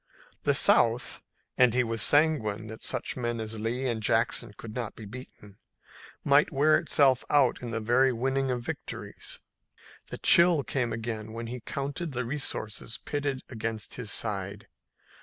The South and he was sanguine that such men as Lee and Jackson could not be beaten might wear itself out by the very winning of victories. The chill came again when he counted the resources pitted against his side.